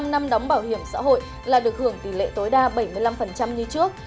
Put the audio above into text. một mươi năm năm đóng bảo hiểm xã hội là được hưởng tỷ lệ tối đa bảy mươi năm như trước